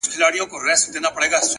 هره لحظه د نوي انتخاب زېږنده ده